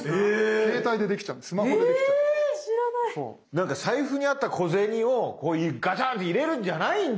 なんか財布にあった小銭をガチャンって入れるんじゃないんだ。